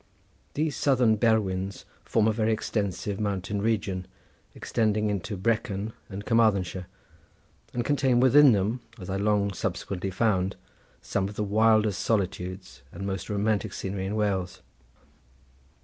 These southern Berwyns form a very extensive mountain region, extending into Brecon and Carmarthenshire, and contain within them, as I long subsequently found, some of the wildest solitudes and most romantic scenery in Wales.